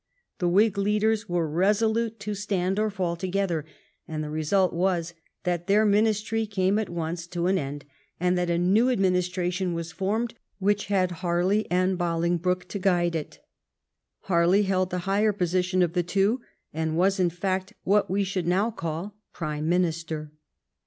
The Whig leaders were resolute to stand or fall togeth^, and the result was that their ministry came at once to an end, and that a new administration was formed which had Harley and Bolingbroke to guide it Har ley held the higher position of the two, and was, in fact, what we should now call prime minister.